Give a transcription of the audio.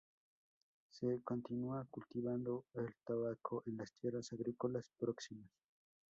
Se continúa cultivando el tabaco en las tierras agrícolas próximas.